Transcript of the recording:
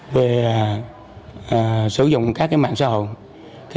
về sử dụng các cái mạng xã hội